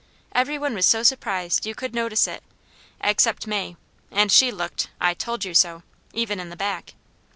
Every one was so surprised you could notice it, except May, and she looked, "I told you so!" even in the back.